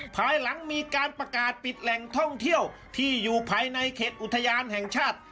ภายหลังมีการประกาศปิดแหล่งท่องเที่ยวที่อยู่ภายในเขตอุทยานแห่งชาติ